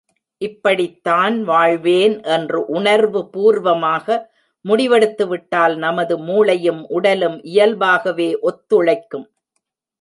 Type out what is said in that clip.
இப்படித்தான் வாழ்வேன் என்று உணர்வு பூர்வமாக முடிவெடுத்துவிட்டால் நமது மூளையும் உடலும் இயல்பாகவே ஒத்துழைக்கும்.